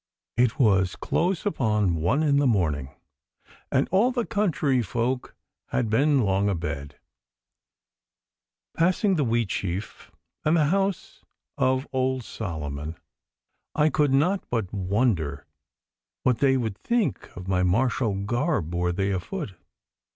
It was close upon one in the morning, and all the country folk had been long abed. Passing the Wheatsheaf and the house of old Solomon, I could not but wonder what they would think of my martial garb were they afoot.